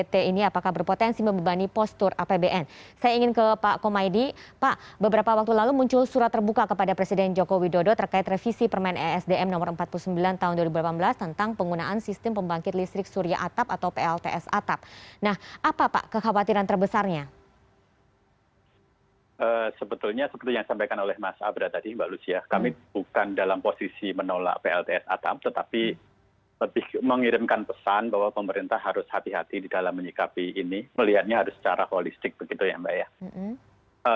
toko energi yang sudah digunakan dalam posisi menolak pln tetapi lebih mengirimkan pesan bahwa pemerintah harus hati hati di dalam menyikapi ini melihatnya harus secara holistik begitu ya mbak ya